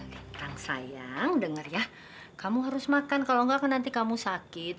sekarang sayang dengar ya kamu harus makan kalau enggak kan nanti kamu sakit